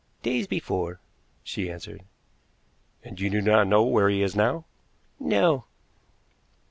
"Days before," she answered. "And you do not know where he is now?" "No."